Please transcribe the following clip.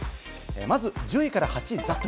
まず１０位から８位です。